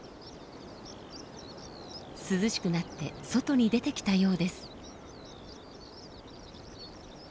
涼しくなって外に出てきたようです。